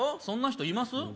そんな人います？